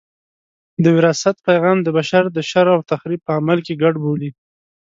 د وراثت پیغام د بشر د شر او تخریب په عمل کې ګډ بولي.